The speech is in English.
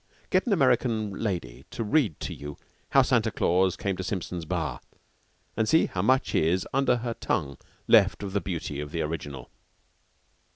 Get an American lady to read to you "How Santa Claus Came to Simpson's Bar," and see how much is, under her tongue, left of the beauty of the original.